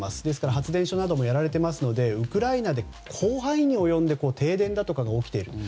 発電所などもやられていますのでウクライナで広範囲に及んで停電などが起きています。